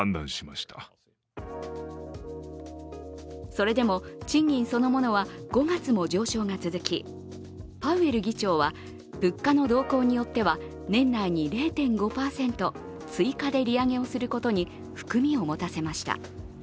それでも賃金そのものは５月も上昇が続きパウエル議長は物価の動向によっては年内に０．５％追加で利上げをすることに含みを持たせました。